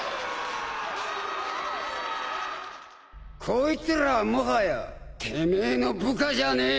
こいつらはもはやてめえの部下じゃねえ！